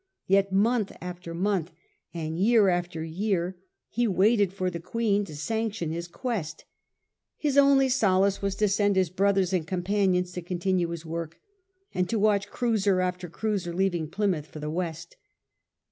Yet month after month, and year after year, he waited for the Queen to sanction his quest. His only solace was to send his brothers and companions to continue his work, and to watch cruiser after cruiser leaving Plymouth for the West.